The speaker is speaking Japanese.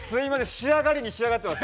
仕上がりに仕上がってます